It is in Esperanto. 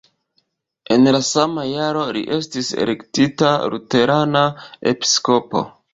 En la sama jaro li estis elektita luterana episkopo.